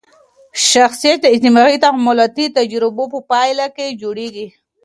شخصیت د اجتماعي تعاملاتي تجربو په پایله کي جوړېږي.